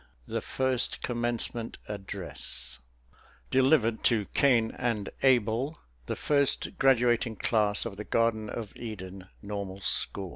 THE FIRST COMMENCEMENT ADDRESS (_Delivered to Cain and Abel, the first graduating class of the Garden of Eden Normal School.